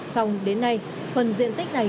xong đến nay phần diện tích này